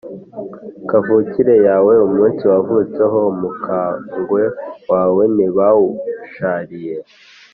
Kavukire yawe, umunsi wavutseho umukungwe wawe ntibawushariye